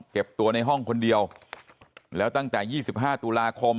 เก็บตัวในห้องคนเดียวแล้วตั้งแต่๒๕ตุลาคม